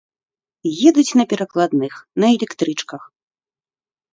Едуць на перакладных, на электрычках.